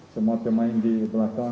semua pemain di belakang